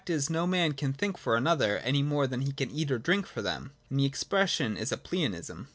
45 is, no man can think for another, any more than he can eat or drink for him : and the expression is a pleonasm.